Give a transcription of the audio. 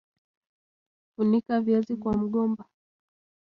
funika viazi kwa mgomba